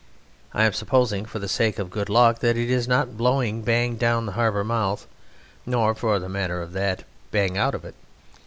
I am supposing, for the sake of good luck, that it is not blowing bang down the harbour mouth, nor, for the matter of that, bang out of it.